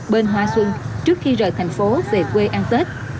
bên hoa xuân trước khi rời thành phố về quê ăn tết